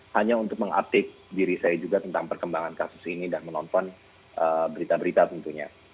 hanya untuk menguptik diri saya juga tentang perkembangan kasus ini dan menonton berita berita tentunya